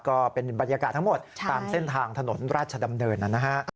ก็เป็นบรรยากาศทั้งหมดตามเส้นทางถนนราชดำเนินนะฮะ